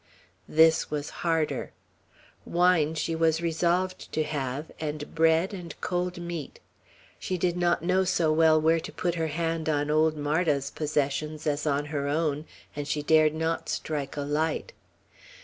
This was harder. Wine she was resolved to have and bread and cold meat. She did not know so well where to put her hand on old Marda's possessions as on her own, and she dared not strike a light.